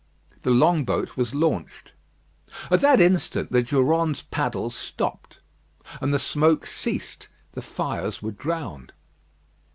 The long boat was launched. At that instant the Durande's paddles stopped, and the smoke ceased the fires were drowned.